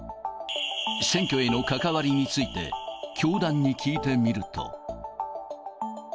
選挙への関わりについて、教団に聞いてみると。